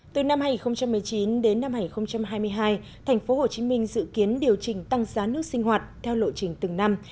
từ năm hai nghìn một mươi chín đến năm hai nghìn hai mươi hai thành phố hồ chí minh dự kiến điều chỉnh tăng giá nước sinh hoạt theo lộ chỉnh từng năm